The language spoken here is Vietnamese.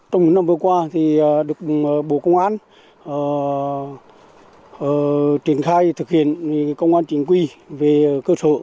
trong những năm vừa qua được bộ công an triển khai thực hiện công an chính quy về cơ sở